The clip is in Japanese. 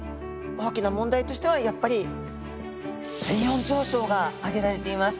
大きな問題としてはやっぱり水温上昇が挙げられています。